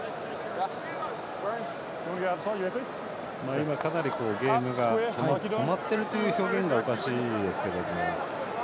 今、かなりゲームが止まっているっていう表現はおかしいですけれども。